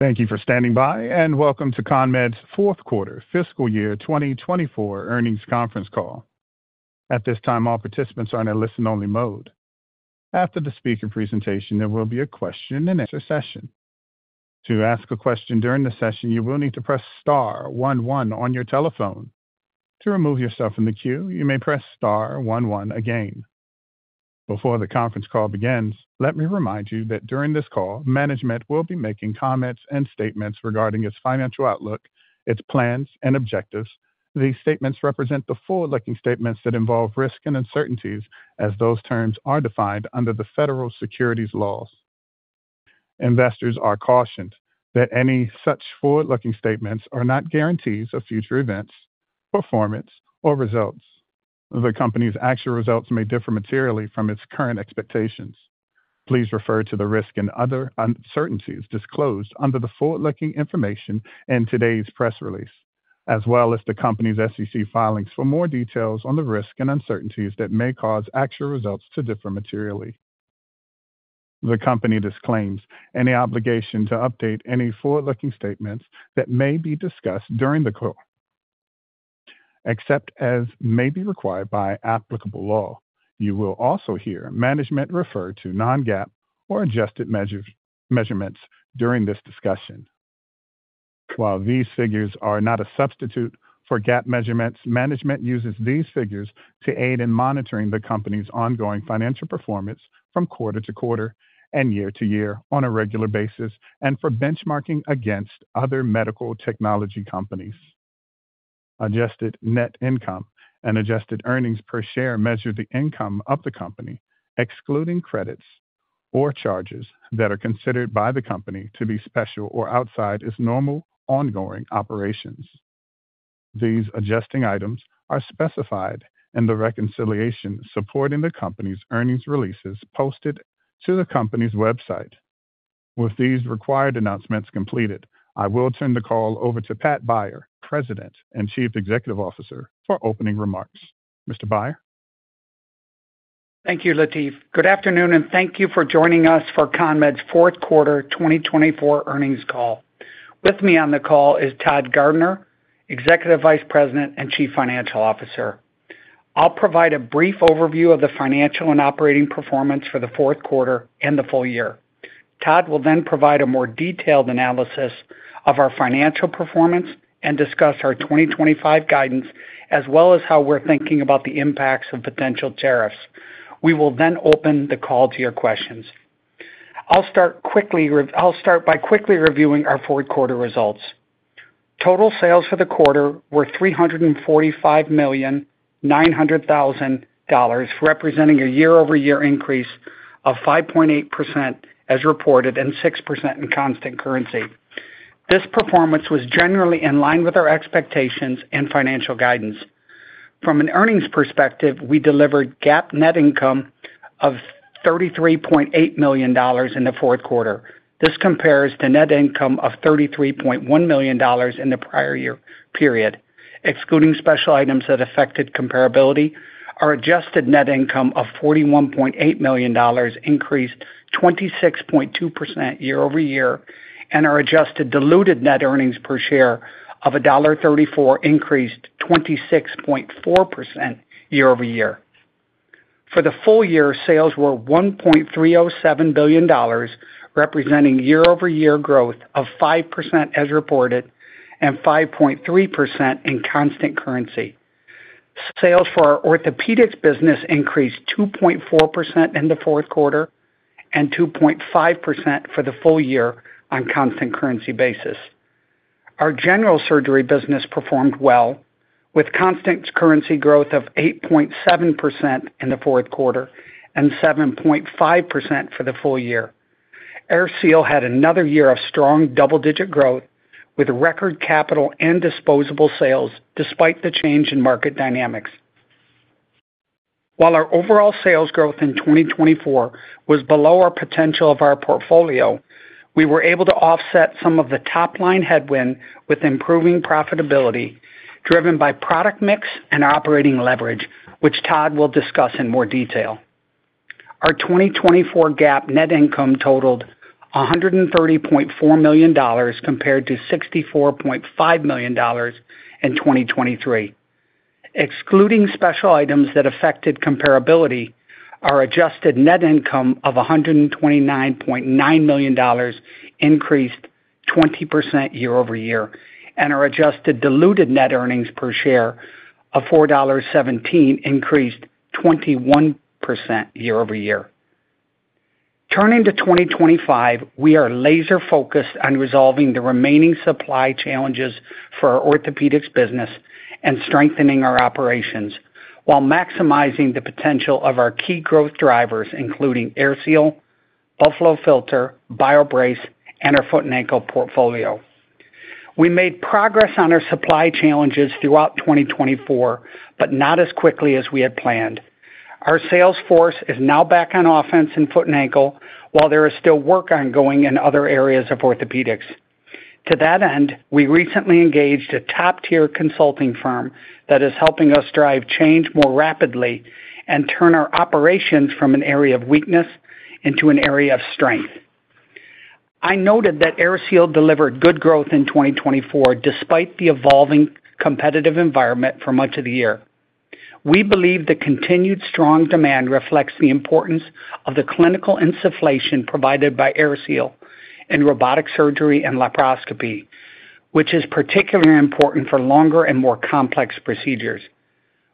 Thank you for standing by, and welcome to CONMED's 4th Quarter, Fiscal Year 2024 Earnings Conference Call. At this time, all participants are in a listen-only mode. After the speaker presentation, there will be a question-and-answer session. To ask a question during the session, you will need to press Star 11 on your telephone. To remove yourself from the queue, you may press Star 11 again. Before the conference call begins, let me remind you that during this call, management will be making comments and statements regarding its financial outlook, its plans, and objectives. These statements represent the forward-looking statements that involve risk and uncertainties, as those terms are defined under the federal securities laws. Investors are cautioned that any such forward-looking statements are not guarantees of future events, performance, or results. The company's actual results may differ materially from its current expectations. Please refer to the risk and other uncertainties disclosed under the forward-looking information in today's press release, as well as the company's SEC filings for more details on the risk and uncertainties that may cause actual results to differ materially. The company disclaims any obligation to update any forward-looking statements that may be discussed during the call, except as may be required by applicable law. You will also hear management refer to non-GAAP or adjusted measurements during this discussion. While these figures are not a substitute for GAAP measurements, management uses these figures to aid in monitoring the company's ongoing financial performance from quarter-to-quarter and year-to-year on a regular basis and for benchmarking against other medical technology companies. Adjusted Net Income and Adjusted Earnings Per Share measure the income of the company, excluding credits or charges that are considered by the company to be special or outside its normal ongoing operations. These adjusting items are specified in the reconciliation supporting the company's earnings releases posted to the company's website. With these required announcements completed, I will turn the call over to Pat Beyer, President and Chief Executive Officer, for opening remarks. Mr. Beyer? Thank you, Latif. Good afternoon, and thank you for joining us for CONMED's 4th quarter 2024 Earnings call. With me on the call is Todd Garner, Executive Vice President and Chief Financial Officer. I'll provide a brief overview of the financial and operating performance for the 4th Quarter and the full year. Todd will then provide a more detailed analysis of our financial performance and discuss our 2025 guidance, as well as how we're thinking about the impacts of potential tariffs. We will then open the call to your questions. I'll start quickly by reviewing our 4th Quarter results. Total sales for the quarter were $345,900,000, representing a year-over-year increase of 5.8% as reported and 6% in constant currency. This performance was generally in line with our expectations and financial guidance. From an earnings perspective, we delivered GAAP net income of $33.8 million in the 4th Quarter. This compares to net income of $33.1 million in the prior year. Excluding special items that affected comparability, our adjusted net income of $41.8 million increased 26.2% year-over-year and our adjusted diluted net earnings per share of $1.34 increased 26.4% year-over-year. For the full year, sales were $1.307 billion, representing year-over-year growth of 5% as reported and 5.3% in constant currency. Sales for our orthopedics business increased 2.4% in the 4th Quarter and 2.5% for the full year on a constant currency basis. Our general surgery business performed well, with constant currency growth of 8.7% in the 4th Quarter and 7.5% for the full year. AirSeal had another year of strong double-digit growth with record capital and disposable sales despite the change in market dynamics. While our overall sales growth in 2024 was below our potential of our portfolio, we were able to offset some of the top-line headwind with improving profitability driven by product mix and operating leverage, which Todd will discuss in more detail. Our 2024 GAAP net income totaled $130.4 million compared to $64.5 million in 2023. Excluding special items that affected comparability, our adjusted net income of $129.9 million increased 20% year-over-year, and our adjusted diluted net earnings per share of $4.17 increased 21% year-over-year. Turning to 2025, we are laser-focused on resolving the remaining supply challenges for our orthopedics business and strengthening our operations while maximizing the potential of our key growth drivers, including AirSeal, Buffalo Filter, BioBrace, and our foot and ankle portfolio. We made progress on our supply challenges throughout 2024, but not as quickly as we had planned. Our sales force is now back on offense and foot and ankle, while there is still work ongoing in other areas of orthopedics. To that end, we recently engaged a top-tier consulting firm that is helping us drive change more rapidly and turn our operations from an area of weakness into an area of strength. I noted that AirSeal delivered good growth in 2024 despite the evolving competitive environment for much of the year. We believe the continued strong demand reflects the importance of the clinical insufflation provided by AirSeal in robotic surgery and laparoscopy, which is particularly important for longer and more complex procedures.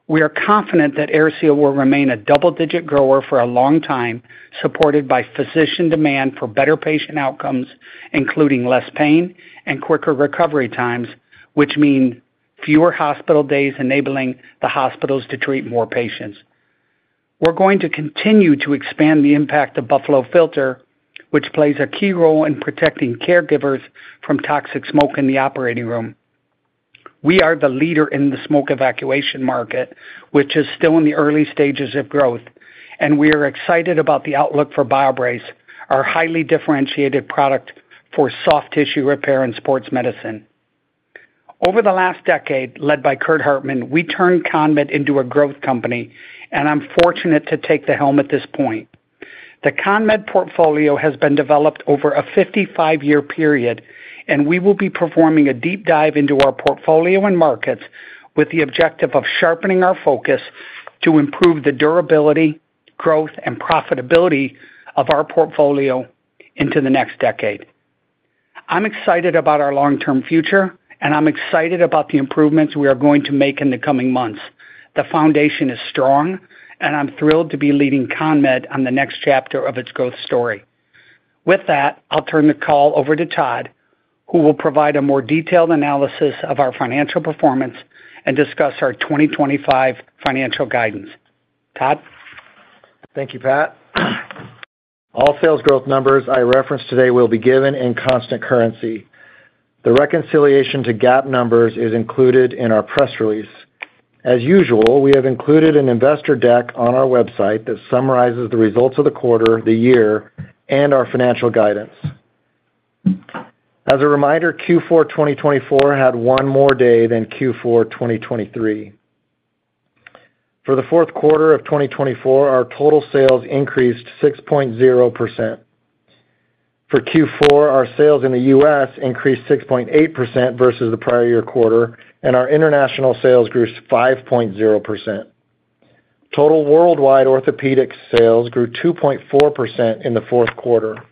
We are confident that AirSeal will remain a double-digit grower for a long time, supported by physician demand for better patient outcomes, including less pain and quicker recovery times, which mean fewer hospital days enabling the hospitals to treat more patients. We're going to continue to expand the impact of Buffalo Filter, which plays a key role in protecting caregivers from toxic smoke in the operating room. We are the leader in the smoke evacuation market, which is still in the early stages of growth, and we are excited about the outlook for BioBrace, our highly differentiated product for soft tissue repair and sports medicine. Over the last decade, led by Curt Hartman, we turned CONMED into a growth company, and I'm fortunate to take the helm at this point. The CONMED portfolio has been developed over a 55-year period, and we will be performing a deep dive into our portfolio and markets with the objective of sharpening our focus to improve the durability, growth, and profitability of our portfolio into the next decade. I'm excited about our long-term future, and I'm excited about the improvements we are going to make in the coming months. The foundation is strong, and I'm thrilled to be leading CONMED on the next chapter of its growth story. With that, I'll turn the call over to Todd, who will provide a more detailed analysis of our financial performance and discuss our 2025 financial guidance. Todd? Thank you, Pat. All sales growth numbers I referenced today will be given in constant currency. The reconciliation to GAAP numbers is included in our press release. As usual, we have included an investor deck on our website that summarizes the results of the quarter, the year, and our financial guidance. As a reminder, Q4 2024 had one more day than Q4 2023. For the 4th Quarter of 2024, our total sales increased 6.0%. For Q4, our sales in the U.S. increased 6.8% versus the prior year quarter, and our international sales grew 5.0%. Total worldwide orthopedic sales grew 2.4% in the 4th Quarter.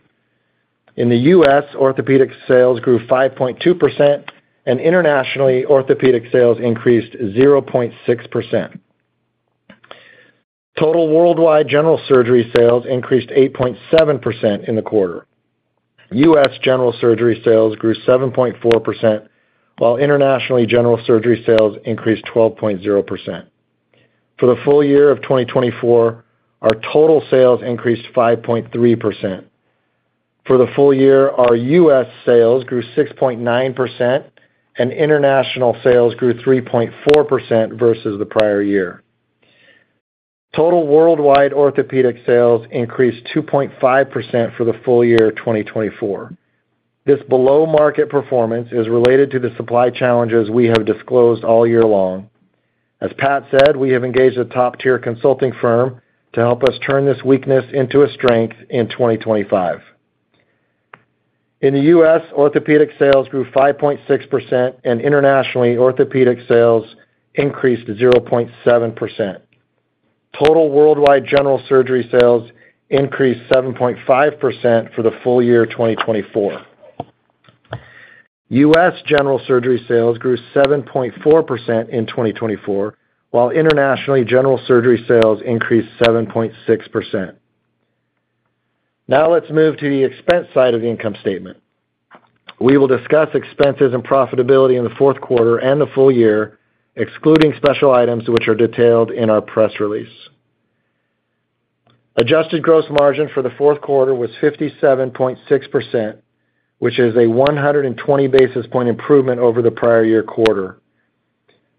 In the U.S., orthopedic sales grew 5.2%, and internationally, orthopedic sales increased 0.6%. Total worldwide general surgery sales increased 8.7% in the quarter. U.S. general surgery sales grew 7.4%, while internationally general surgery sales increased 12.0%. For the full year of 2024, our total sales increased 5.3%. For the full year, our U.S. sales grew 6.9%, and international sales grew 3.4% versus the prior year. Total worldwide orthopedic sales increased 2.5% for the full year 2024. This below-market performance is related to the supply challenges we have disclosed all year long. As Pat said, we have engaged a top-tier consulting firm to help us turn this weakness into a strength in 2025. In the U.S., orthopedic sales grew 5.6%, and internationally orthopedic sales increased 0.7%. Total worldwide general surgery sales increased 7.5% for the full year 2024. U.S. general surgery sales grew 7.4% in 2024, while internationally general surgery sales increased 7.6%. Now let's move to the expense side of the income statement. We will discuss expenses and profitability in the 4th Quarter and the full year, excluding special items, which are detailed in our press release. Adjusted gross margin for the 4th Quarter was 57.6%, which is a 120 basis point improvement over the prior year quarter.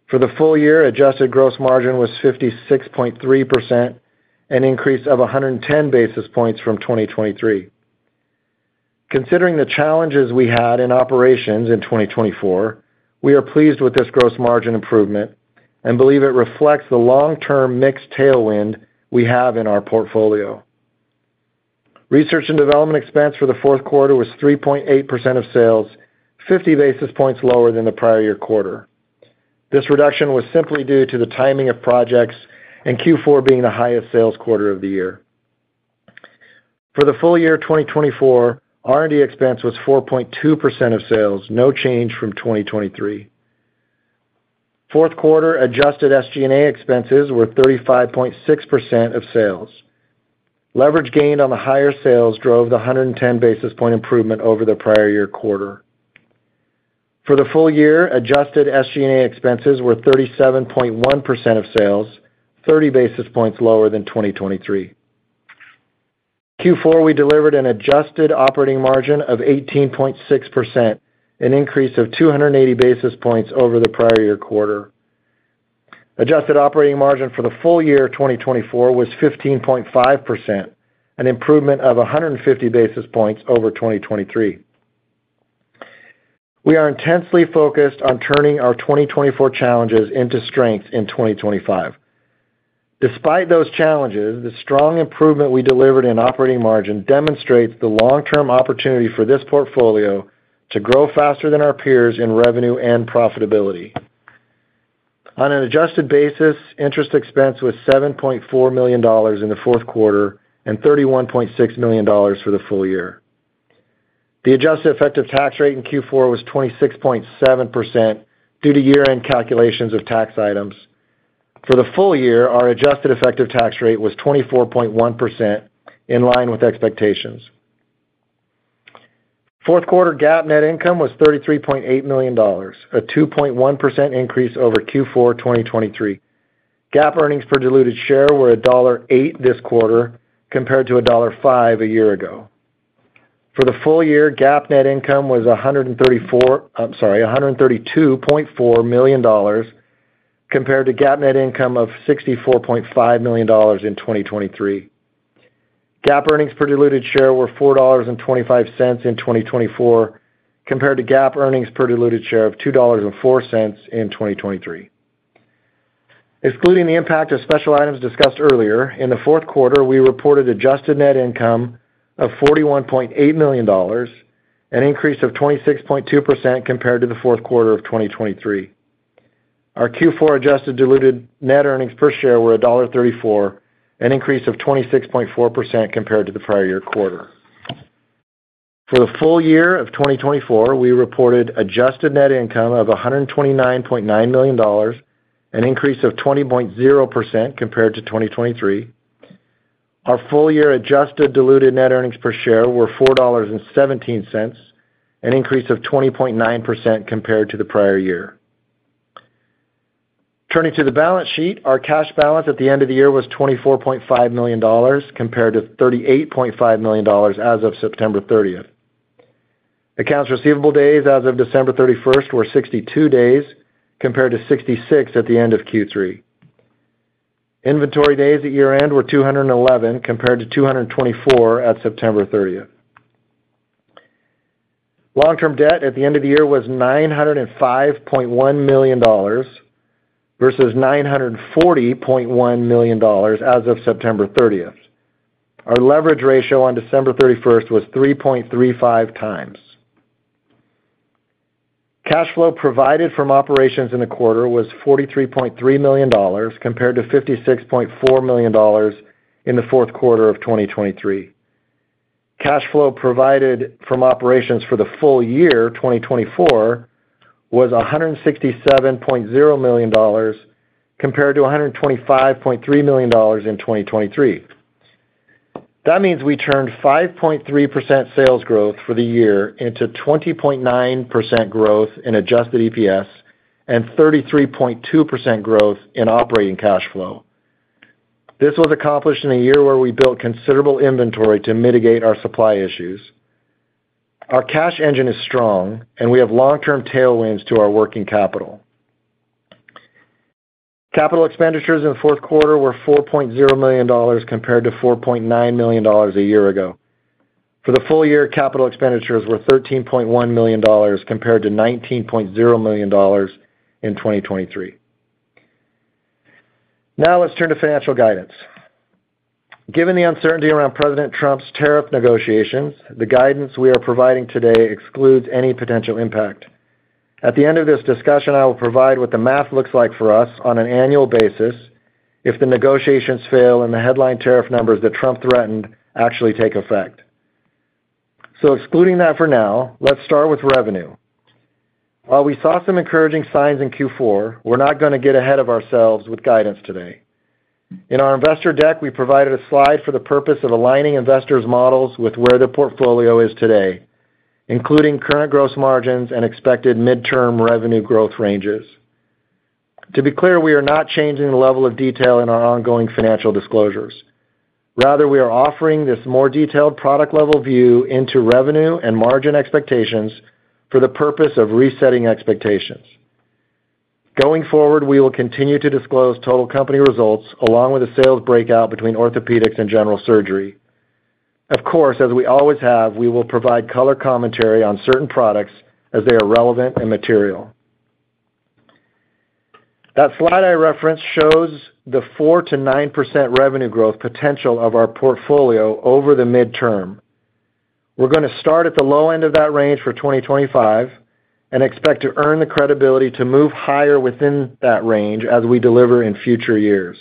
For the full year, adjusted gross margin was 56.3%, an increase of 110 basis points from 2023. Considering the challenges we had in operations in 2024, we are pleased with this gross margin improvement and believe it reflects the long-term mixed tailwind we have in our portfolio. Research and development expense for the 4th Quarter was 3.8% of sales, 50 basis points lower than the prior year quarter. This reduction was simply due to the timing of projects and Q4 being the highest sales quarter of the year. For the full year 2024, R&D expense was 4.2% of sales, no change from 2023. 4th Quarter adjusted SG&A expenses were 35.6% of sales. Leverage gained on the higher sales drove the 110 basis point improvement over the prior year quarter. For the full year, adjusted SG&A expenses were 37.1% of sales, 30 basis points lower than 2023. Q4, we delivered an adjusted operating margin of 18.6%, an increase of 280 basis points over the prior year quarter. Adjusted operating margin for the full year 2024 was 15.5%, an improvement of 150 basis points over 2023. We are intensely focused on turning our 2024 challenges into strengths in 2025. Despite those challenges, the strong improvement we delivered in operating margin demonstrates the long-term opportunity for this portfolio to grow faster than our peers in revenue and profitability. On an adjusted basis, interest expense was $7.4 million in the 4th Quarter and $31.6 million for the full year. The adjusted effective tax rate in Q4 was 26.7% due to year-end calculations of tax items. For the full year, our adjusted effective tax rate was 24.1%, in line with expectations. 4th Quarter GAAP net income was $33.8 million, a 2.1% increase over Q4 2023. GAAP earnings per diluted share were $1.08 this quarter compared to $1.05 a year ago. For the full year, GAAP net income was $132.4 million compared to GAAP net income of $64.5 million in 2023. GAAP earnings per diluted share were $4.25 in 2024 compared to GAAP earnings per diluted share of $2.04 in 2023. Excluding the impact of special items discussed earlier, in the 4th Quarter, we reported adjusted net income of $41.8 million, an increase of 26.2% compared to the 4th Quarter of 2023. Our Q4 adjusted diluted net earnings per share were $1.34, an increase of 26.4% compared to the prior year quarter. For the full year of 2024, we reported adjusted net income of $129.9 million, an increase of 20.0% compared to 2023. Our full year adjusted diluted net earnings per share were $4.17, an increase of 20.9% compared to the prior year. Turning to the balance sheet, our cash balance at the end of the year was $24.5 million compared to $38.5 million as of September 30th. Accounts receivable days as of December 31st were 62 days compared to 66 at the end of Q3. Inventory days at year-end were 211 compared to 224 at September 30th. Long-term debt at the end of the year was $905.1 million versus $940.1 million as of September 30th. Our leverage ratio on December 31st was 3.35 times. Cash flow provided from operations in the quarter was $43.3 million compared to $56.4 million in the 4th Quarter of 2023. Cash flow provided from operations for the full year 2024 was $167.0 million compared to $125.3 million in 2023. That means we turned 5.3% sales growth for the year into 20.9% growth in Adjusted EPS and 33.2% growth in operating cash flow. This was accomplished in a year where we built considerable inventory to mitigate our supply issues. Our cash engine is strong, and we have long-term tailwinds to our working capital. Capital expenditures in the 4th Quarter were $4.0 million compared to $4.9 million a year ago. For the full year, capital expenditures were $13.1 million compared to $19.0 million in 2023. Now let's turn to financial guidance. Given the uncertainty around President Trump's tariff negotiations, the guidance we are providing today excludes any potential impact. At the end of this discussion, I will provide what the math looks like for us on an annual basis if the negotiations fail and the headline tariff numbers that Trump threatened actually take effect, so excluding that for now, let's start with revenue. While we saw some encouraging signs in Q4, we're not going to get ahead of ourselves with guidance today. In our investor deck, we provided a slide for the purpose of aligning investors' models with where the portfolio is today, including current gross margins and expected midterm revenue growth ranges. To be clear, we are not changing the level of detail in our ongoing financial disclosures. Rather, we are offering this more detailed product-level view into revenue and margin expectations for the purpose of resetting expectations. Going forward, we will continue to disclose total company results along with a sales breakout between orthopedics and general surgery. Of course, as we always have, we will provide color commentary on certain products as they are relevant and material. That slide I referenced shows the 4-9% revenue growth potential of our portfolio over the midterm. We're going to start at the low end of that range for 2025 and expect to earn the credibility to move higher within that range as we deliver in future years.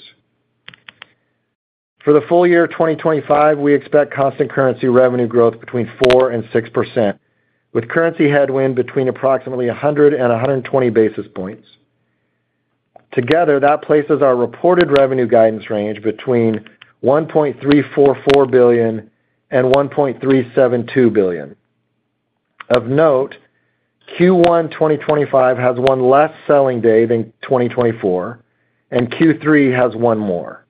For the full year 2025, we expect constant currency revenue growth between 4 and 6%, with currency headwind between approximately 100 and 120 basis points. Together, that places our reported revenue guidance range between $1.344 billion and $1.372 billion. Of note, Q1 2025 has one less selling day than 2024, and Q3 has one more.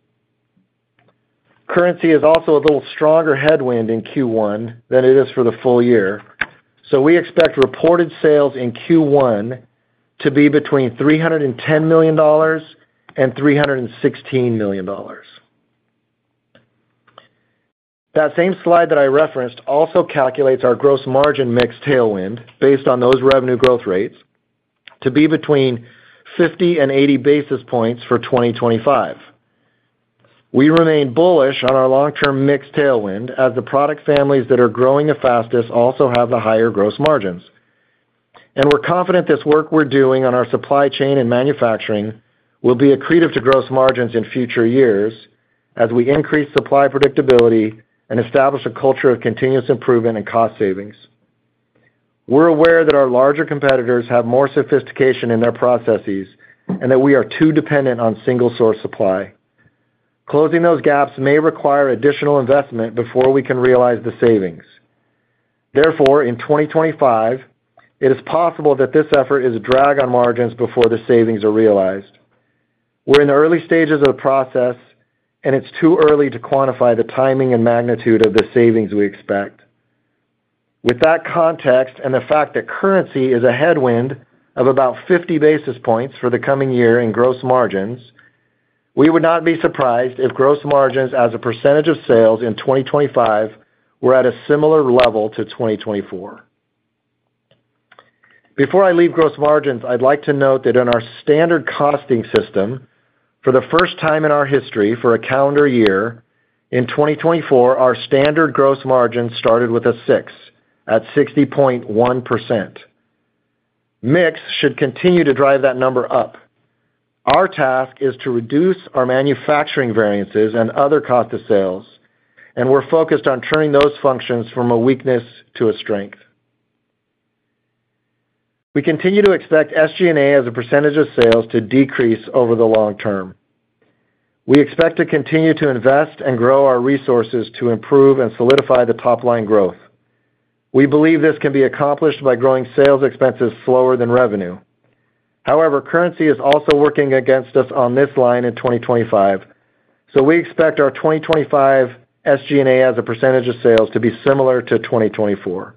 Currency is also a little stronger headwind in Q1 than it is for the full year, so we expect reported sales in Q1 to be between $310 million and $316 million. That same slide that I referenced also calculates our gross margin mix tailwind based on those revenue growth rates to be between 50 and 80 basis points for 2025. We remain bullish on our long-term mix tailwind as the product families that are growing the fastest also have the higher gross margins. And we're confident this work we're doing on our supply chain and manufacturing will be accretive to gross margins in future years as we increase supply predictability and establish a culture of continuous improvement and cost savings. We're aware that our larger competitors have more sophistication in their processes and that we are too dependent on single-source supply. Closing those gaps may require additional investment before we can realize the savings. Therefore, in 2025, it is possible that this effort is a drag on margins before the savings are realized. We're in the early stages of the process, and it's too early to quantify the timing and magnitude of the savings we expect. With that context and the fact that currency is a headwind of about 50 basis points for the coming year in gross margins, we would not be surprised if gross margins as a percentage of sales in 2025 were at a similar level to 2024. Before I leave gross margins, I'd like to note that in our standard costing system, for the first time in our history for a calendar year, in 2024, our standard gross margin started with a 6 at 60.1%. Mix should continue to drive that number up. Our task is to reduce our manufacturing variances and other cost of sales, and we're focused on turning those functions from a weakness to a strength. We continue to expect SG&A as a percentage of sales to decrease over the long term. We expect to continue to invest and grow our resources to improve and solidify the top-line growth. We believe this can be accomplished by growing sales expenses slower than revenue. However, currency is also working against us on this line in 2025, so we expect our 2025 SG&A as a percentage of sales to be similar to 2024.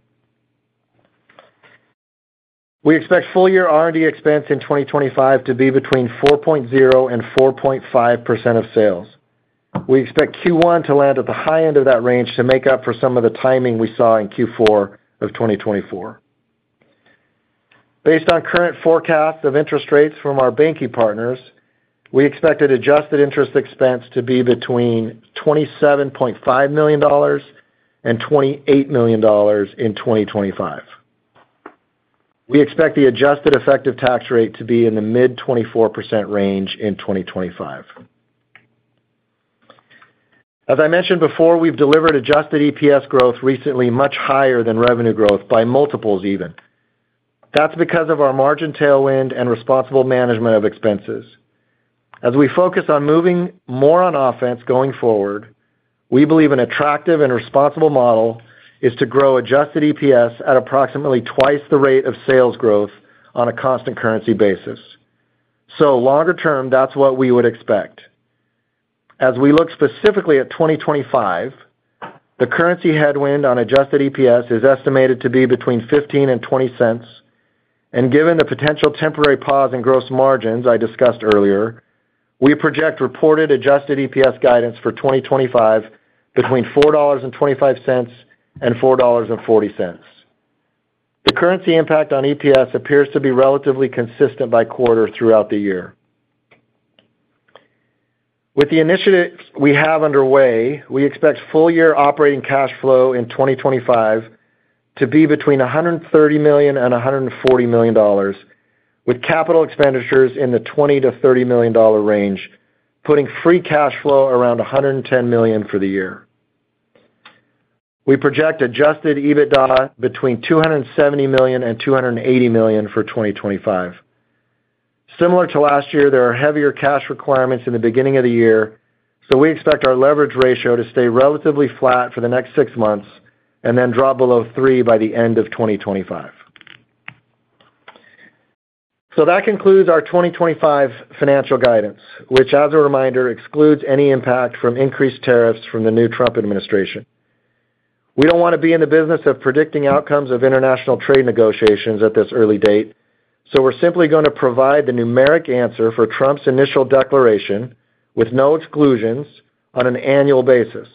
We expect full-year R&D expense in 2025 to be between 4.0%-4.5% of sales. We expect Q1 to land at the high end of that range to make up for some of the timing we saw in Q4 of 2024. Based on current forecasts of interest rates from our banking partners, we expect an adjusted interest expense to be between $27.5 million and $28 million in 2025. We expect the adjusted effective tax rate to be in the mid-24% range in 2025. As I mentioned before, we've delivered adjusted EPS growth recently much higher than revenue growth by multiples even. That's because of our margin tailwind and responsible management of expenses. As we focus on moving more on offense going forward, we believe an attractive and responsible model is to grow adjusted EPS at approximately twice the rate of sales growth on a constant currency basis. So longer term, that's what we would expect. As we look specifically at 2025, the currency headwind on adjusted EPS is estimated to be between $0.15 and $0.20. Given the potential temporary pause in gross margins I discussed earlier, we project reported adjusted EPS guidance for 2025 between $4.25 and $4.40. The currency impact on EPS appears to be relatively consistent by quarter throughout the year. With the initiatives we have underway, we expect full-year operating cash flow in 2025 to be between $130 million and $140 million, with capital expenditures in the $20 to $30 million range, putting free cash flow around $110 million for the year. We project adjusted EBITDA between $270 million and $280 million for 2025. Similar to last year, there are heavier cash requirements in the beginning of the year, so we expect our leverage ratio to stay relatively flat for the next six months and then drop below 3 by the end of 2025. So that concludes our 2025 financial guidance, which, as a reminder, excludes any impact from increased tariffs from the new Trump administration. We don't want to be in the business of predicting outcomes of international trade negotiations at this early date, so we're simply going to provide the numeric answer for Trump's initial declaration with no exclusions on an annual basis.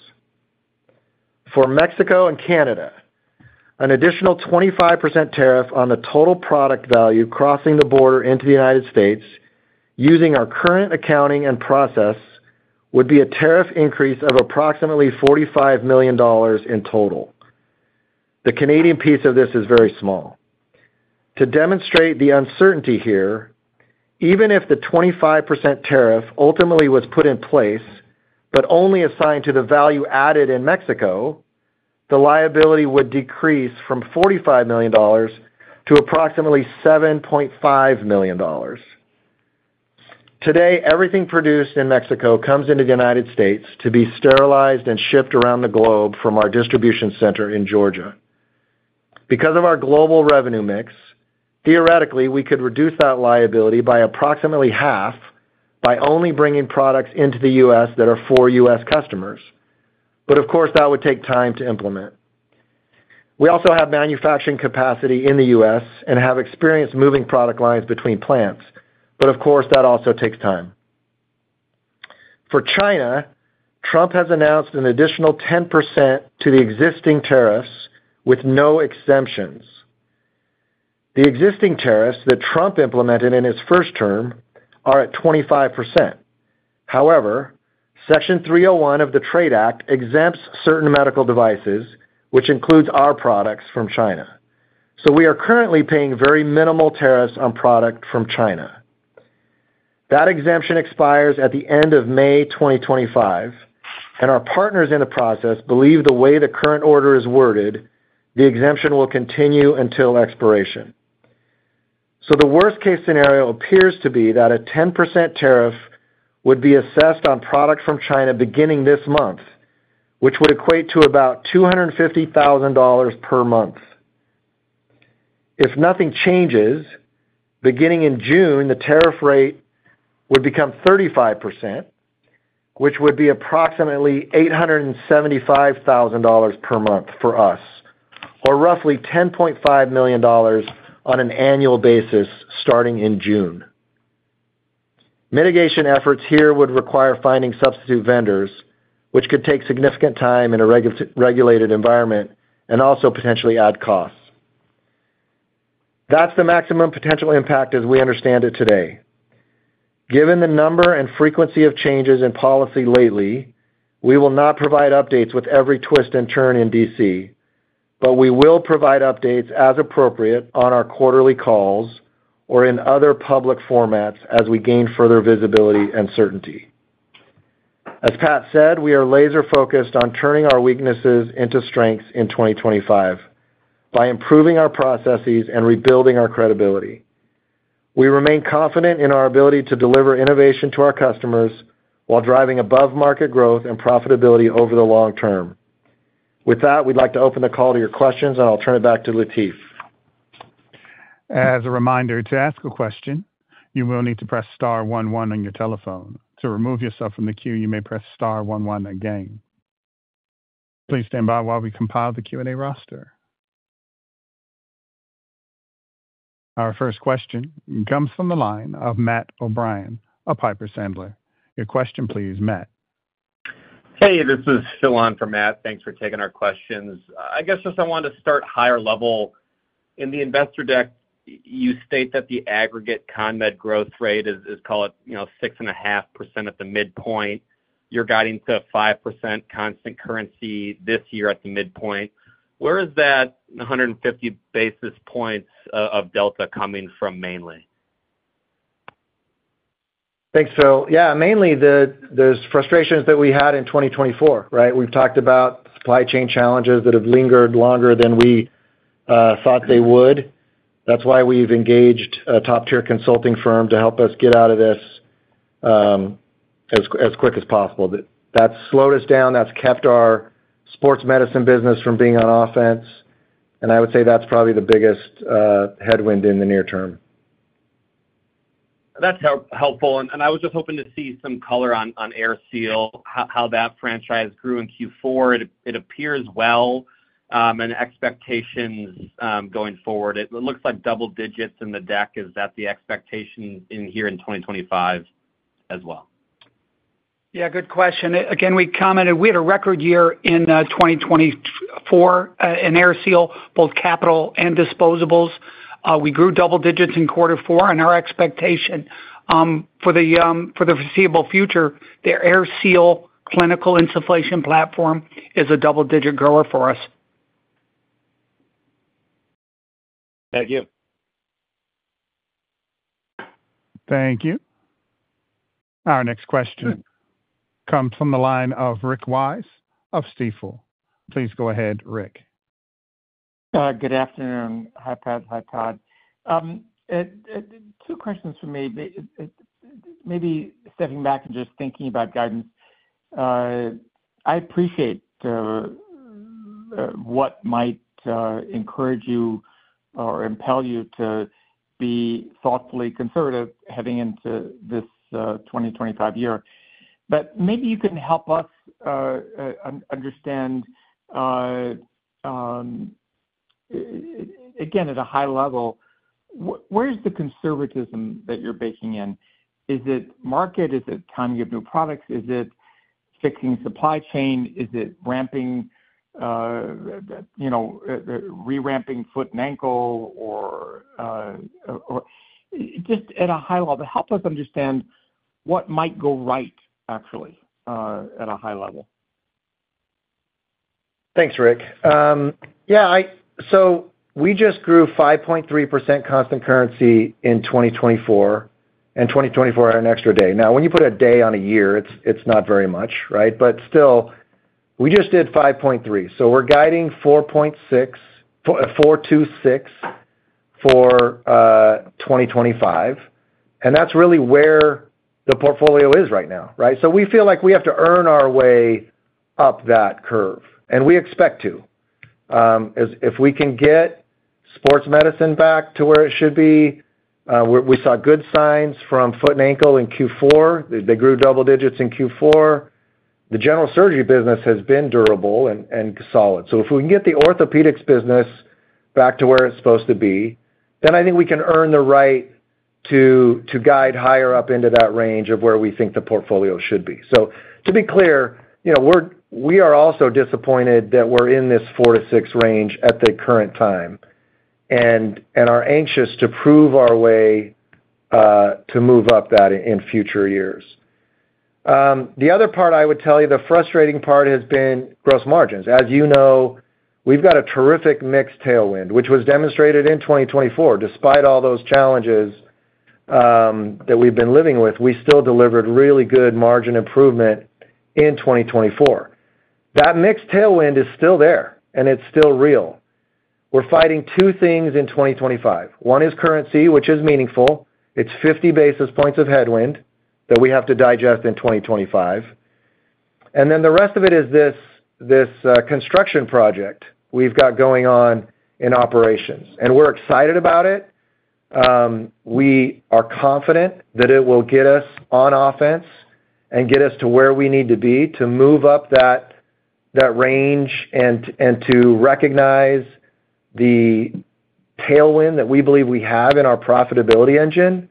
For Mexico and Canada, an additional 25% tariff on the total product value crossing the border into the United States using our current accounting and process would be a tariff increase of approximately $45 million in total. The Canadian piece of this is very small. To demonstrate the uncertainty here, even if the 25% tariff ultimately was put in place but only assigned to the value added in Mexico, the liability would decrease from $45 million to approximately $7.5 million. Today, everything produced in Mexico comes into the United States to be sterilized and shipped around the globe from our distribution center in Georgia. Because of our global revenue mix, theoretically, we could reduce that liability by approximately half by only bringing products into the U.S. that are for U.S. customers. But of course, that would take time to implement. We also have manufacturing capacity in the U.S. and have experience moving product lines between plants. But of course, that also takes time. For China, Trump has announced an additional 10% to the existing tariffs with no exemptions. The existing tariffs that Trump implemented in his first term are at 25%. However, Section 301 of the Trade Act exempts certain medical devices, which includes our products from China. So we are currently paying very minimal tariffs on product from China. That exemption expires at the end of May 2025, and our partners in the process believe the way the current order is worded, the exemption will continue until expiration, so the worst-case scenario appears to be that a 10% tariff would be assessed on product from China beginning this month, which would equate to about $250,000 per month. If nothing changes, beginning in June, the tariff rate would become 35%, which would be approximately $875,000 per month for us, or roughly $10.5 million on an annual basis starting in June. Mitigation efforts here would require finding substitute vendors, which could take significant time in a regulated environment and also potentially add costs. That's the maximum potential impact as we understand it today. Given the number and frequency of changes in policy lately, we will not provide updates with every twist and turn in DC, but we will provide updates as appropriate on our quarterly calls or in other public formats as we gain further visibility and certainty. As Pat said, we are laser-focused on turning our weaknesses into strengths in 2025 by improving our processes and rebuilding our credibility. We remain confident in our ability to deliver innovation to our customers while driving above-market growth and profitability over the long term. With that, we'd like to open the call to your questions, and I'll turn it back to Latif. As a reminder, to ask a question, you will need to press star 11 on your telephone. To remove yourself from the queue, you may press star 11 again. Please stand by while we compile the Q&A roster. Our first question comes from the line of Matt O'Brien with Piper Sandler. Your question, please, Matt. Hey, this is Phil on for Matt. Thanks for taking our questions. I guess just I wanted to start higher level. In the investor deck, you state that the aggregate CONMED growth rate is, call it, 6.5% at the midpoint. You're guiding to a 5% constant currency this year at the midpoint. Where is that 150 basis points of delta coming from mainly? Thanks, Phil. Yeah, mainly there's frustrations that we had in 2024, right? We've talked about supply chain challenges that have lingered longer than we thought they would. That's why we've engaged a top-tier consulting firm to help us get out of this as quick as possible. That's slowed us down. That's kept our sports medicine business from being on offense. And I would say that's probably the biggest headwind in the near term. That's helpful. And I was just hoping to see some color on AirSeal, how that franchise grew in Q4. It appears well and expectations going forward. It looks like double digits in the deck. Is that the expectation in here in 2025 as well? Yeah, good question. Again, we commented we had a record year in 2024 in AirSeal, both capital and disposables. We grew double digits in quarter four, and our expectation for the foreseeable future, the AirSeal clinical insufflation platform is a double-digit grower for us. Thank you. Thank you. Our next question comes from the line of Rick Wise of Stifel. Please go ahead, Rick. Good afternoon. Hi, Pat. Hi, Todd. Two questions for me. Maybe stepping back and just thinking about guidance. I appreciate what might encourage you or impel you to be thoughtfully conservative heading into this 2025 year, but maybe you can help us understand, again, at a high level, where's the conservatism that you're baking in? Is it market? Is it time to get new products? Is it fixing supply chain? Is it ramping, re-ramping foot and ankle? Or just at a high level, help us understand what might go right, actually, at a high level. Thanks, Rick. Yeah, so we just grew 5.3% constant currency in 2024, and 2024 had an extra day. Now, when you put a day on a year, it's not very much, right, but still, we just did 5.3, so we're guiding 4.6, 426 for 2025. And that's really where the portfolio is right now, right, so we feel like we have to earn our way up that curve, and we expect to. If we can get sports medicine back to where it should be, we saw good signs from foot and ankle in Q4. They grew double digits in Q4. The general surgery business has been durable and solid. So if we can get the orthopedics business back to where it's supposed to be, then I think we can earn the right to guide higher up into that range of where we think the portfolio should be. So to be clear, we are also disappointed that we're in this four to six range at the current time, and are anxious to prove our way to move up that in future years. The other part I would tell you, the frustrating part has been gross margins. As you know, we've got a terrific mixed tailwind, which was demonstrated in 2024. Despite all those challenges that we've been living with, we still delivered really good margin improvement in 2024. That mixed tailwind is still there, and it's still real. We're fighting two things in 2025. One is currency, which is meaningful. It's 50 basis points of headwind that we have to digest in 2025. And then the rest of it is this construction project we've got going on in operations. And we're excited about it. We are confident that it will get us on offense and get us to where we need to be to move up that range and to recognize the tailwind that we believe we have in our profitability engine.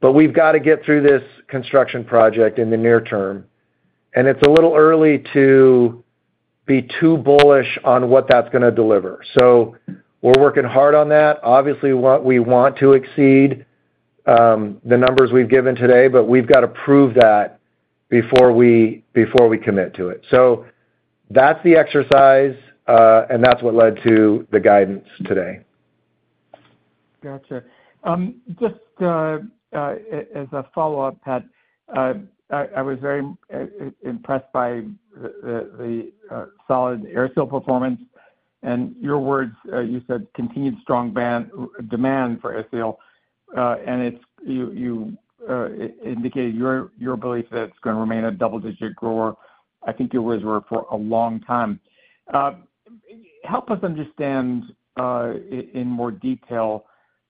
But we've got to get through this construction project in the near term. And it's a little early to be too bullish on what that's going to deliver. So we're working hard on that. Obviously, we want to exceed the numbers we've given today, but we've got to prove that before we commit to it. So that's the exercise, and that's what led to the guidance today. Gotcha. Just as a follow-up, Pat, I was very impressed by the solid AirSeal performance. And your words, you said continued strong demand for AirSeal. And you indicated your belief that it's going to remain a double-digit grower. I think your words were for a long time. Help us understand in more detail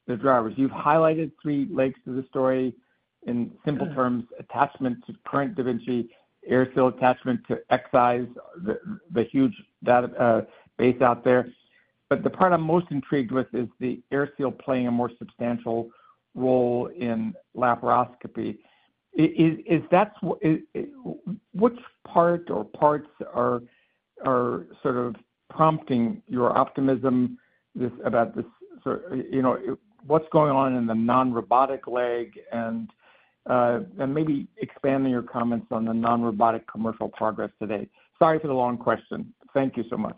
the drivers. You've highlighted three legs to the story in simple terms: attachment to current da Vinci, AirSeal attachment to Xi, the huge database out there. But the part I'm most intrigued with is the AirSeal playing a more substantial role in laparoscopy. Which part or parts are sort of prompting your optimism about this? What's going on in the non-robotic leg, and maybe expand on your comments on the non-robotic commercial progress today. Sorry for the long question. Thank you so much.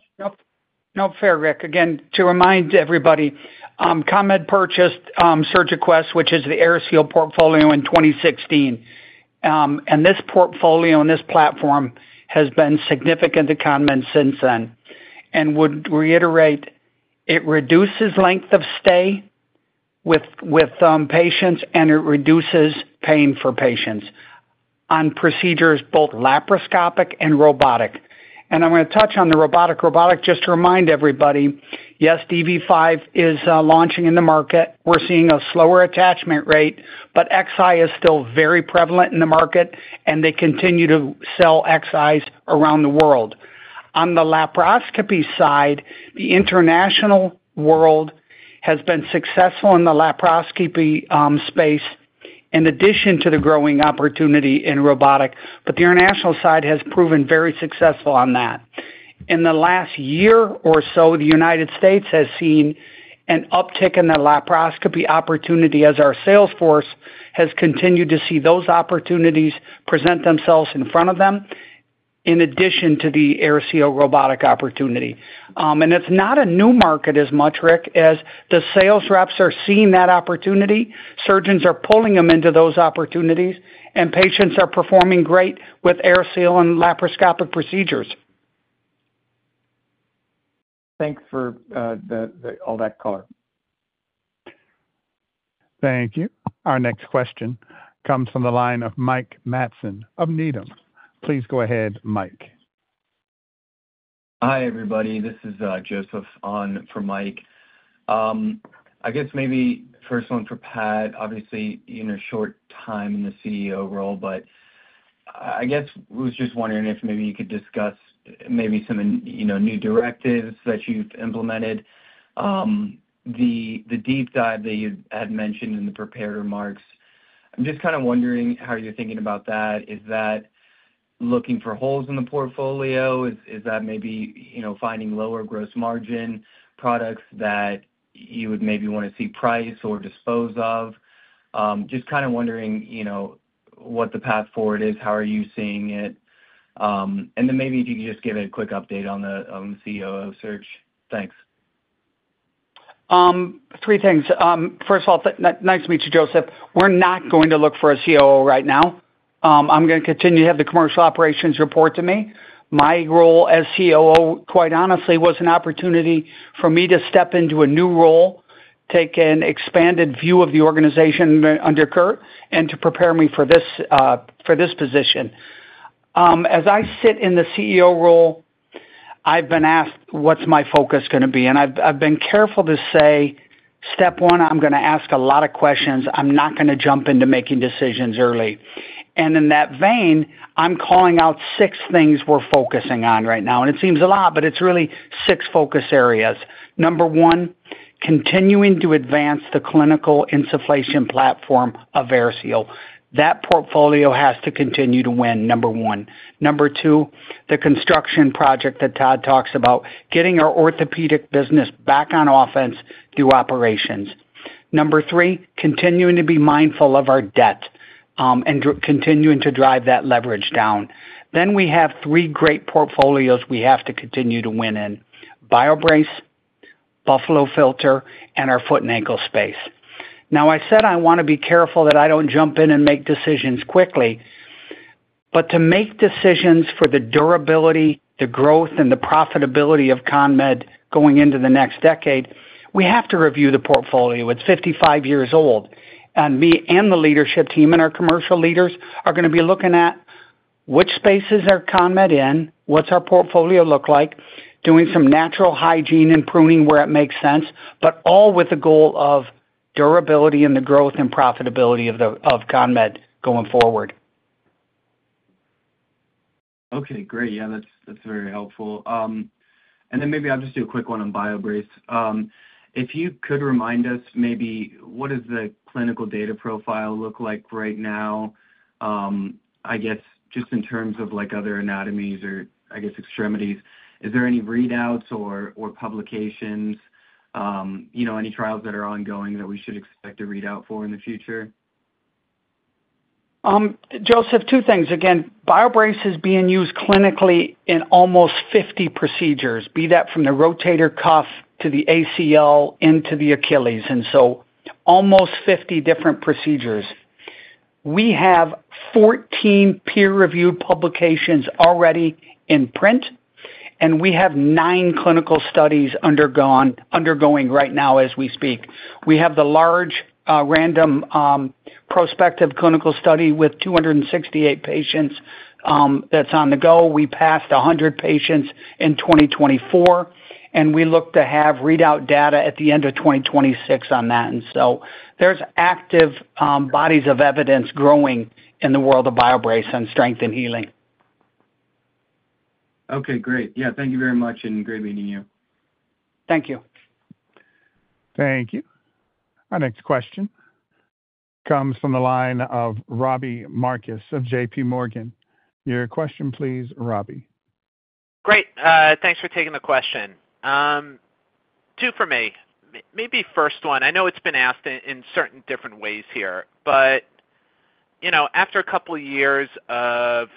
No, fair, Rick. Again, to remind everybody, CONMED purchased SurgiQuest, which is the AirSeal portfolio in 2016, and this portfolio and this platform has been significant to CONMED since then, and would reiterate, it reduces length of stay with patients, and it reduces pain for patients on procedures, both laparoscopic and robotic. And I'm going to touch on the robotic, robotic just to remind everybody. Yes, DV5 is launching in the market. We're seeing a slower attachment rate, but Xi is still very prevalent in the market, and they continue to sell Xi around the world. On the laparoscopy side, the international world has been successful in the laparoscopy space, in addition to the growing opportunity in robotic. But the international side has proven very successful on that. In the last year or so, the United States has seen an uptick in the laparoscopy opportunity as our salesforce has continued to see those opportunities present themselves in front of them, in addition to the AirSeal robotic opportunity. And it's not a new market as much, Rick, as the sales reps are seeing that opportunity. Surgeons are pulling them into those opportunities, and patients are performing great with AirSeal and laparoscopic procedures. Thanks for all that color. Thank you. Our next question comes from the line of Mike Matson of Needham. Please go ahead, Mike. Hi, everybody. This is Joseph on for Mike. I guess maybe first one for Pat, obviously in a short time in the CEO role, but I guess was just wondering if maybe you could discuss maybe some new directives that you've implemented. The deep dive that you had mentioned in the prepared remarks, I'm just kind of wondering how you're thinking about that. Is that looking for holes in the portfolio? Is that maybe finding lower gross margin products that you would maybe want to repriced or dispose of? Just kind of wondering what the path forward is, how are you seeing it? And then maybe if you could just give a quick update on the COO search. Thanks. Three things. First of all, nice to meet you, Joseph. We're not going to look for a COO right now. I'm going to continue to have the commercial operations report to me. My role as COO, quite honestly, was an opportunity for me to step into a new role, take an expanded view of the organization under Curt, and to prepare me for this position. As I sit in the CEO role, I've been asked what's my focus going to be. And I've been careful to say, step one, I'm going to ask a lot of questions. I'm not going to jump into making decisions early. And in that vein, I'm calling out six things we're focusing on right now. And it seems a lot, but it's really six focus areas. Number one, continuing to advance the clinical insufflation platform of AirSeal. That portfolio has to continue to win, number one. Number two, the construction project that Todd talks about, getting our orthopedic business back on offense through operations. Number three, continuing to be mindful of our debt and continuing to drive that leverage down. Then we have three great portfolios we have to continue to win in: BioBrace, Buffalo Filter, and our foot and ankle space. Now, I said I want to be careful that I don't jump in and make decisions quickly. But to make decisions for the durability, the growth, and the profitability of CONMED going into the next decade, we have to review the portfolio. It's 55 years old, and me and the leadership team and our commercial leaders are going to be looking at which spaces are CONMED in, what's our portfolio look like, doing some natural hygiene and pruning where it makes sense, but all with the goal of durability and the growth and profitability of CONMED going forward. Okay, great. Yeah, that's very helpful, and then maybe I'll just do a quick one on BioBrace. If you could remind us maybe what does the clinical data profile look like right now, I guess just in terms of other anatomies or, I guess, extremities? Is there any readouts or publications, any trials that are ongoing that we should expect a readout for in the future? Joseph, two things. Again, BioBrace is being used clinically in almost 50 procedures, be that from the rotator cuff to the ACL into the Achilles. And so almost 50 different procedures. We have 14 peer-reviewed publications already in print, and we have nine clinical studies underway right now as we speak. We have the large randomized prospective clinical study with 268 patients that's on the go. We passed 100 patients in 2024, and we look to have readout data at the end of 2026 on that. And so there's active bodies of evidence growing in the world of BioBrace and strength and healing. Okay, great. Yeah, thank you very much, and great meeting you. Thank you. Thank you. Our next question comes from the line of Robbie Marcus of JPMorgan. Your question, please, Robbie. Great. Thanks for taking the question. Two for me. Maybe first one. I know it's been asked in certain different ways here, but after a couple of years of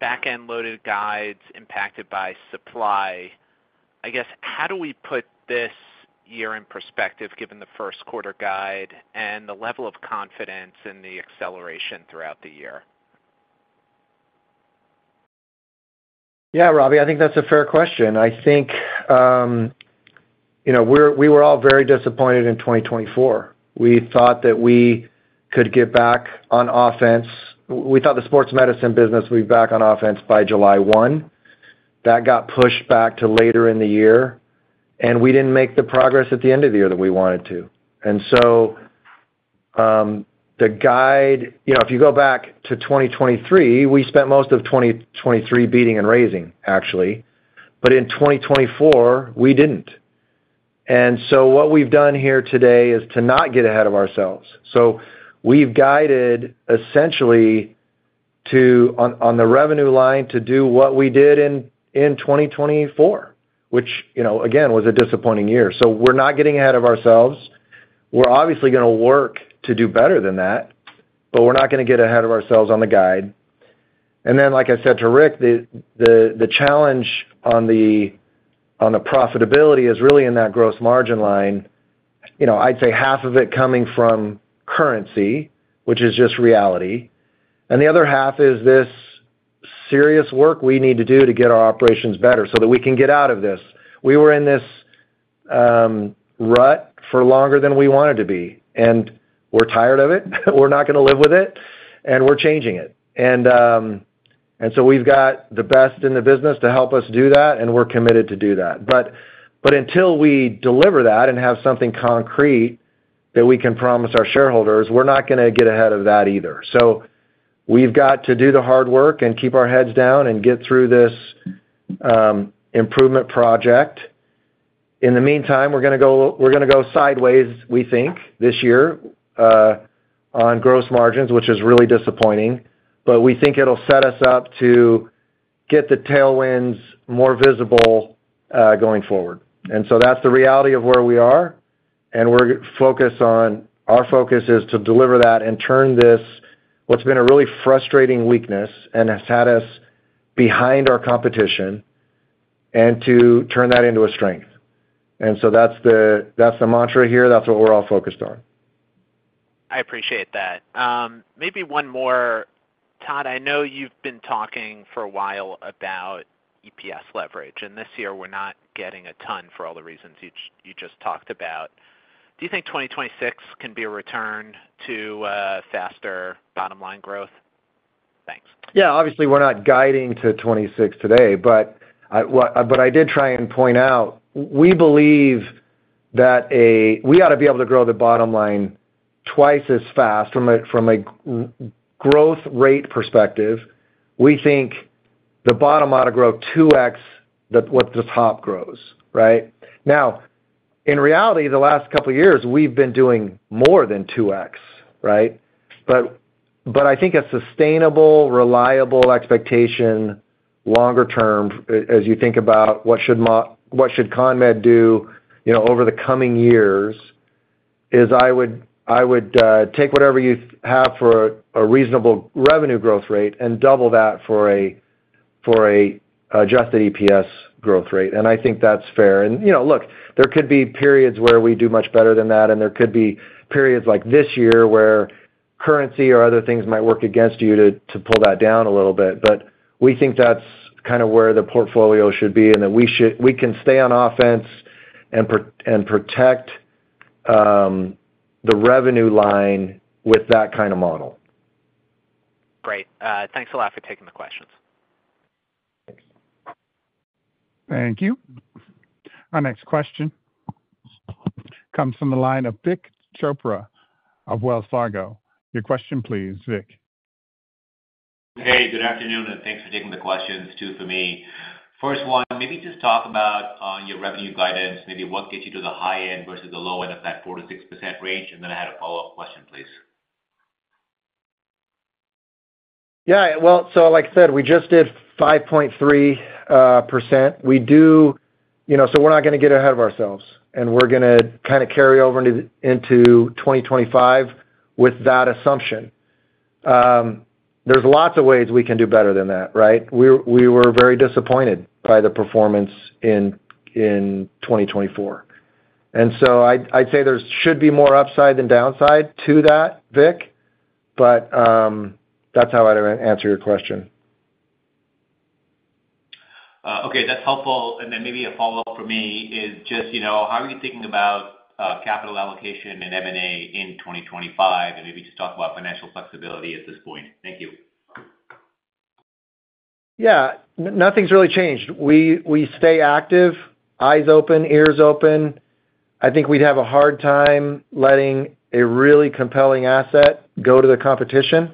back-end-loaded guides impacted by supply, I guess how do we put this year in perspective given the first quarter guide and the level of confidence and the acceleration throughout the year? Yeah, Robbie, I think that's a fair question. I think we were all very disappointed in 2024. We thought that we could get back on offense. We thought the sports medicine business would be back on offense by July 1. That got pushed back to later in the year, and we didn't make the progress at the end of the year that we wanted to. And so the guide, if you go back to 2023, we spent most of 2023 beating and raising, actually. But in 2024, we didn't. And so what we've done here today is to not get ahead of ourselves. So we've guided essentially on the revenue line to do what we did in 2024, which, again, was a disappointing year. So we're not getting ahead of ourselves. We're obviously going to work to do better than that, but we're not going to get ahead of ourselves on the guide. And then, like I said to Rick, the challenge on the profitability is really in that gross margin line. I'd say half of it coming from currency, which is just reality. And the other half is this serious work we need to do to get our operations better so that we can get out of this. We were in this rut for longer than we wanted to be, and we're tired of it. We're not going to live with it, and we're changing it, and so we've got the best in the business to help us do that, and we're committed to do that, but until we deliver that and have something concrete that we can promise our shareholders, we're not going to get ahead of that either, so we've got to do the hard work and keep our heads down and get through this improvement project. In the meantime, we're going to go sideways, we think, this year on gross margins, which is really disappointing, but we think it'll set us up to get the tailwinds more visible going forward, and so that's the reality of where we are. And our focus is to deliver that and turn this, what's been a really frustrating weakness and has had us behind our competition, and to turn that into a strength. And so that's the mantra here. That's what we're all focused on. I appreciate that. Maybe one more. Todd, I know you've been talking for a while about EPS leverage, and this year we're not getting a ton for all the reasons you just talked about. Do you think 2026 can be a return to faster bottom line growth? Thanks. Yeah, obviously, we're not guiding to 2026 today, but I did try and point out we believe that we ought to be able to grow the bottom line twice as fast from a growth rate perspective. We think the bottom ought to grow 2X what the top grows, right? Now, in reality, the last couple of years, we've been doing more than 2X, right? But I think a sustainable, reliable expectation longer term, as you think about what should CONMED do over the coming years, is I would take whatever you have for a reasonable revenue growth rate and double that for an adjusted EPS growth rate. And I think that's fair. And look, there could be periods where we do much better than that, and there could be periods like this year where currency or other things might work against you to pull that down a little bit. But we think that's kind of where the portfolio should be and that we can stay on offense and protect the revenue line with that kind of model. Great. Thanks a lot for taking the questions. Thanks. Thank you. Our next question comes from the line of Vik Chopra of Wells Fargo. Your question, please, Vic. Hey, good afternoon, and thanks for taking the questions. Two for me. First one, maybe just talk about your revenue guidance, maybe what gets you to the high end versus the low end of that 4%-6% range, and then I had a follow-up question, please. Yeah. Well, so like I said, we just did 5.3%. We do, so we're not going to get ahead of ourselves, and we're going to kind of carry over into 2025 with that assumption. There's lots of ways we can do better than that, right? We were very disappointed by the performance in 2024. And so I'd say there should be more upside than downside to that, Vic, but that's how I'd answer your question. Okay, that's helpful. And then maybe a follow-up for me is just how are you thinking about capital allocation and M&A in 2025, and maybe just talk about financial flexibility at this point. Thank you. Yeah, nothing's really changed. We stay active, eyes open, ears open. I think we'd have a hard time letting a really compelling asset go to the competition.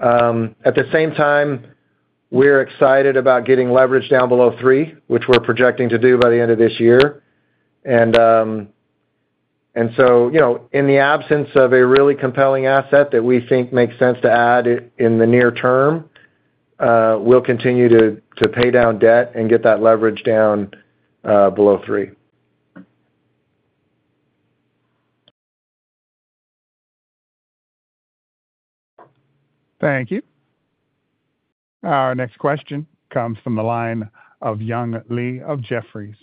At the same time, we're excited about getting leverage down below three, which we're projecting to do by the end of this year. And so in the absence of a really compelling asset that we think makes sense to add in the near term, we'll continue to pay down debt and get that leverage down below three. Thank you. Our next question comes from the line of Young Li of Jefferies.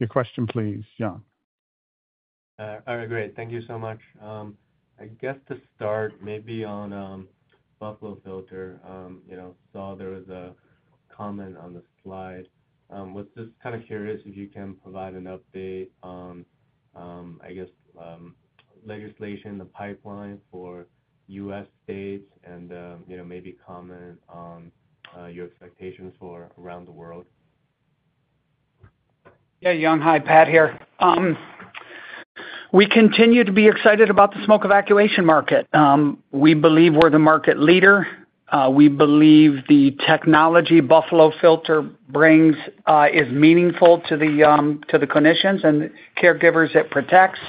Your question, please, Young. All right, great. Thank you so much. I guess to start, maybe on Buffalo Filter, saw there was a comment on the slide. Was just kind of curious if you can provide an update, I guess, legislation, the pipeline for U.S. states, and maybe comment on your expectations for around the world. Yeah, Young, hi Pat here. We continue to be excited about the smoke evacuation market. We believe we're the market leader. We believe the technology Buffalo Filter brings is meaningful to the clinicians and caregivers it protects.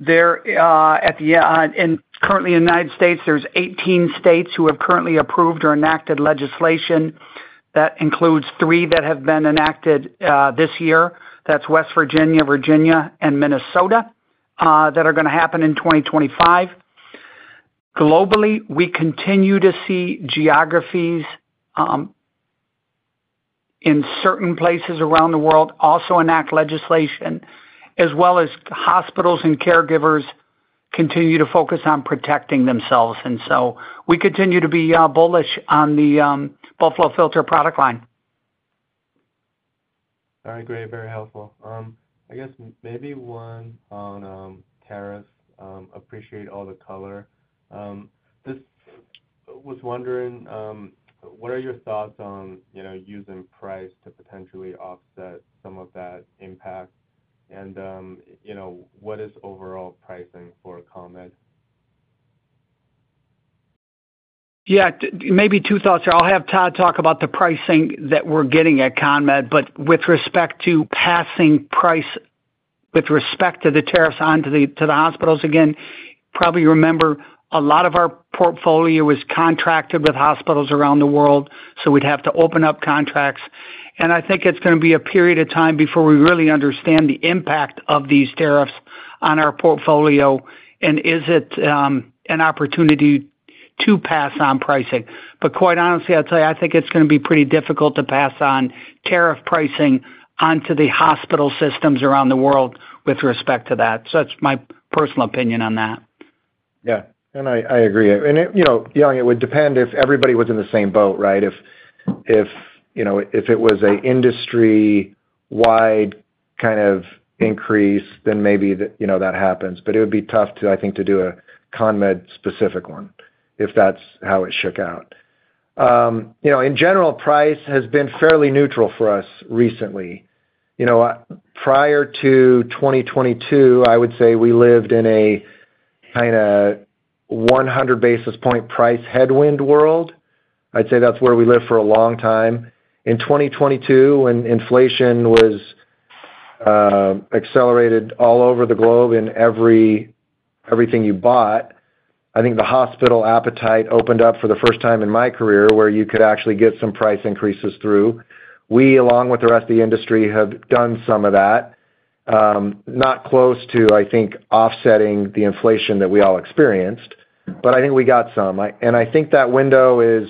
And currently, in the United States, there's 18 states who have currently approved or enacted legislation that includes three that have been enacted this year. That's West Virginia, Virginia, and Minnesota that are going to happen in 2025. Globally, we continue to see geographies in certain places around the world also enact legislation, as well as hospitals and caregivers continue to focus on protecting themselves. And so we continue to be bullish on the Buffalo Filter product line. All right, great. Very helpful. I guess maybe one on tariffs. Appreciate all the color. Just was wondering, what are your thoughts on using price to potentially offset some of that impact? And what is overall pricing for CONMED? Yeah, maybe two thoughts here. I'll have Todd talk about the pricing that we're getting at CONMED, but with respect to passing price with respect to the tariffs onto the hospitals again, probably remember a lot of our portfolio is contracted with hospitals around the world, so we'd have to open up contracts. And I think it's going to be a period of time before we really understand the impact of these tariffs on our portfolio and is it an opportunity to pass on pricing. But quite honestly, I'd say I think it's going to be pretty difficult to pass on tariff pricing onto the hospital systems around the world with respect to that. So that's my personal opinion on that. Yeah. And I agree. And Young, it would depend if everybody was in the same boat, right? If it was an industry-wide kind of increase, then maybe that happens. But it would be tough, I think, to do a CONMED-specific one if that's how it shook out. In general, price has been fairly neutral for us recently. Prior to 2022, I would say we lived in a kind of 100 basis point price headwind world. I'd say that's where we lived for a long time. In 2022, when inflation was accelerated all over the globe in everything you bought, I think the hospital appetite opened up for the first time in my career where you could actually get some price increases through. We, along with the rest of the industry, have done some of that, not close to, I think, offsetting the inflation that we all experienced, but I think we got some, and I think that window is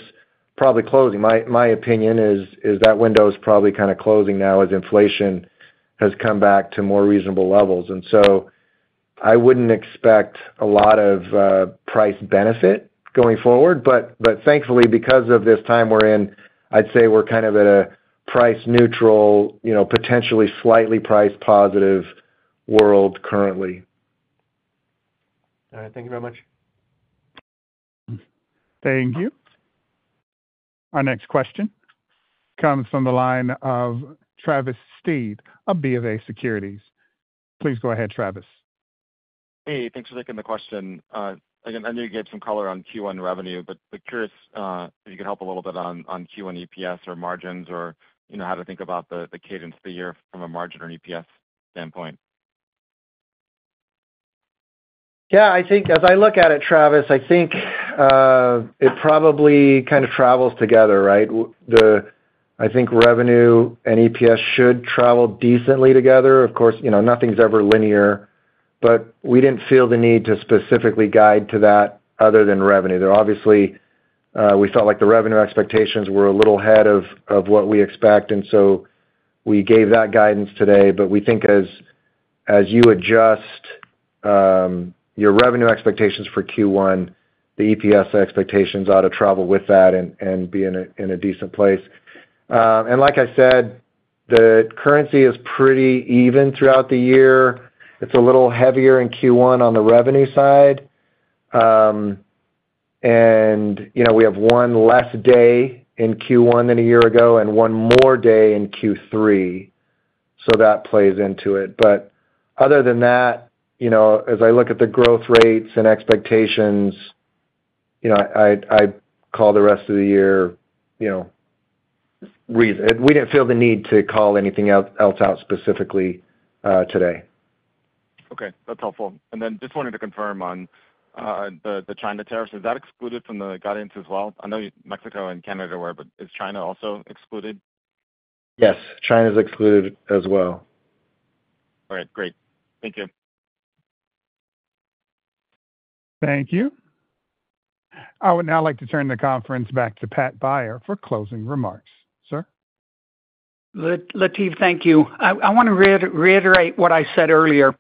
probably closing. My opinion is that window is probably kind of closing now as inflation has come back to more reasonable levels, and so I wouldn't expect a lot of price benefit going forward, but thankfully, because of this time we're in, I'd say we're kind of at a price neutral, potentially slightly price positive world currently. All right. Thank you very much. Thank you. Our next question comes from the line of Travis Steed of BofA Securities. Please go ahead, Travis. Hey, thanks for taking the question. Again, I knew you gave some color on Q1 revenue, but curious if you could help a little bit on Q1 EPS or margins or how to think about the cadence of the year from a margin or EPS standpoint. Yeah, I think as I look at it, Travis, I think it probably kind of travels together, right? I think revenue and EPS should travel decently together. Of course, nothing's ever linear, but we didn't feel the need to specifically guide to that other than revenue. Obviously, we felt like the revenue expectations were a little ahead of what we expect, and so we gave that guidance today. But we think as you adjust your revenue expectations for Q1, the EPS expectations ought to travel with that and be in a decent place. And like I said, the currency is pretty even throughout the year. It's a little heavier in Q1 on the revenue side. And we have one less day in Q1 than a year ago and one more day in Q3, so that plays into it. But other than that, as I look at the growth rates and expectations, I call the rest of the year reasonable. We didn't feel the need to call anything else out specifically today. Okay. That's helpful. And then just wanted to confirm on the China tariffs. Is that excluded from the guidance as well? I know Mexico and Canada were, but is China also excluded? Yes. China is excluded as well. All right. Great. Thank you. Thank you. I would now like to turn the conference back to Pat Beyer for closing remarks. Sir? Latif, thank you. I want to reiterate what I said earlier.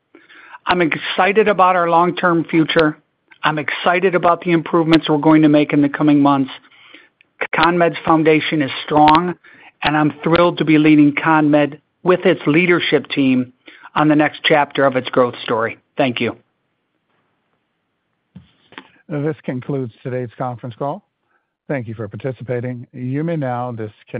I'm excited about our long-term future. I'm excited about the improvements we're going to make in the coming months. CONMED's foundation is strong, and I'm thrilled to be leading CONMED with its leadership team on the next chapter of its growth story. Thank you. This concludes today's conference call. Thank you for participating. You may now disconnect.